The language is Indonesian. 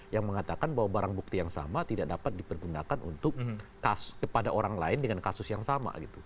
yang mengatakan bahwa barang bukti yang sama tidak dapat dipergunakan untuk kepada orang lain dengan kasus yang sama gitu